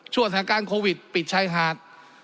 สถานการณ์โควิดปิดชายหาด